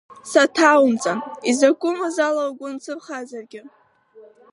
Саҭоумҵан, изакәымыз ала угәы нсырхазаргьы.